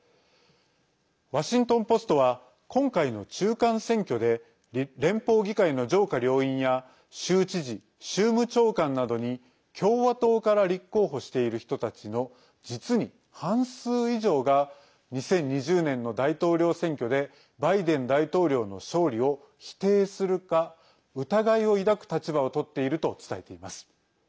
ワシントン・ポストは今回の中間選挙で連邦議会の上下両院や州知事、州務長官などに共和党から立候補している人たちの実に半数以上が２０２０年の大統領選挙でバイデン大統領の勝利を否定するか疑いを抱く立場をとっていると伝えています。